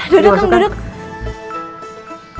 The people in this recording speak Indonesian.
duduk kang duduk